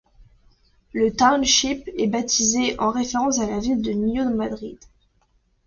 Le township est baptisé en référence à la ville de New Madrid.